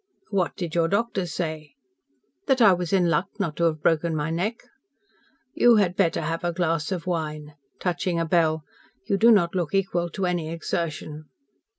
"What did your doctor say?" "That I was in luck not to have broken my neck." "You had better have a glass of wine," touching a bell. "You do not look equal to any exertion."